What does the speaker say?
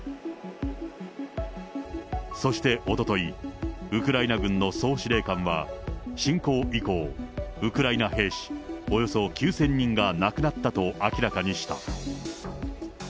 そしておととい、ウクライナ軍の総司令官は、侵攻以降、ウクライナ兵士およそ９０００人が亡くなったと明らかにした。